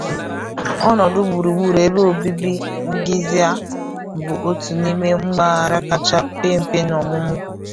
Ọnọdụ gburugburu ebe obibi Ningxia bụ otu n'ime mpaghara kacha pee mpe n'ọmụmụ.